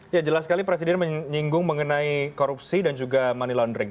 ya jelas sekali presiden menyinggung mengenai korupsi dan juga money laundering